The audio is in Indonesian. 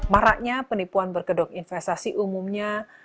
maraknya penipuan berkedok investasi umumnya